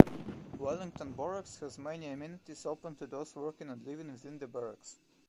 Wellington Barracks has many amenities open to those working and living within the barracks.